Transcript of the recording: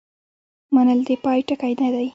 منل د پای ټکی نه دی.